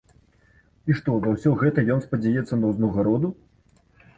І што за ўсё гэта ён спадзяецца на ўзнагароду.